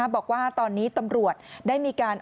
บอกว่าตอนนี้ตำรวจได้มีการ